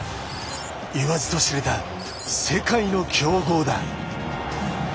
言わずと知れた世界の強豪だ。